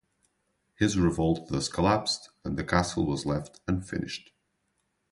His revolt thus collapsed and the castle was left unfinished.